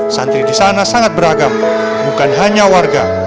santri di sana sangat beragam bukan hanya warga